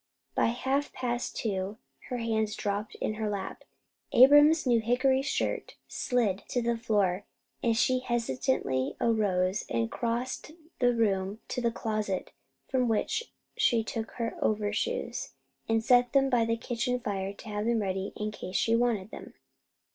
By half past two her hands dropped in her lap, Abram's new hickory shirt slid to the floor, and she hesitatingly arose and crossed the room to the closet, from which she took her overshoes, and set them by the kitchen fire, to have them ready in case she wanted them.